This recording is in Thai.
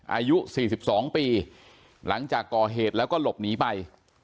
อายุสี่สิบสองปีหลังจากก่อเหตุแล้วก็หลบหนีไป